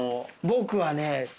僕はね